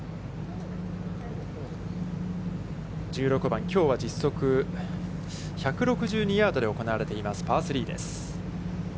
１６番、きょうは実測１６２ヤードで行われています、パー３です。